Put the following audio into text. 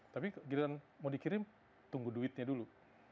tapi giliran mau dikirim tunggu duitnya dulu